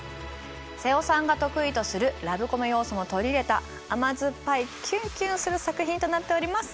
瀬尾さんが得意とするラブコメ要素も取り入れた甘酸っぱいキュンキュンする作品となっております。